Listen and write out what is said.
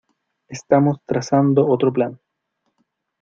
Estamos trazando otro plan.